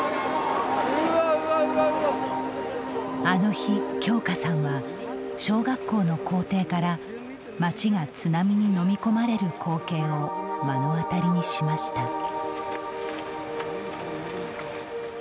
あの日、京佳さんは小学校の校庭から町が津波にのみ込まれる光景を目の当たりにしました。